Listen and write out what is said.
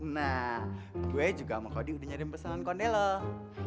nah gue juga sama kondi udah nyari pesanan kondi loh